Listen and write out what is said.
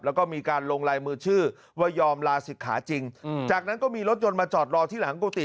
แล้วก็มีการลงลายมือชื่อว่ายอมลาศิกขาจริงจากนั้นก็มีรถยนต์มาจอดรอที่หลังกุฏิ